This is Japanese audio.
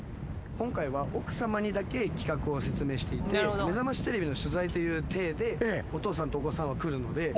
今回は奥さまにだけ企画を説明していて『めざましテレビ』の取材という体でお父さんとお子さんは来るので。